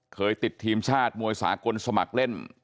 เคยติดทีมชาติมวยสากลสมัครเล่น